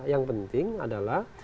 yang penting adalah